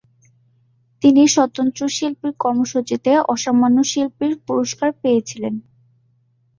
তিনি স্বতন্ত্র শিল্পী কর্মসূচিতে অসামান্য শিল্পীর পুরস্কার পেয়ে ছিলেন।